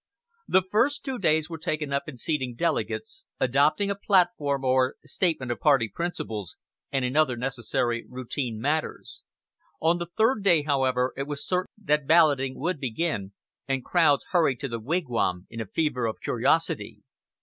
The first two days were taken up in seating delegates, adopting a "platform" or statement of party principles, and in other necessary routine matters. On the third day, however, it was certain that balloting would begin, and crowds hurried to the Wigwam in a fever of curiosity.